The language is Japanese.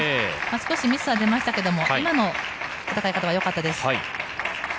少しミスは出ましたけど今の戦い方はよかったです。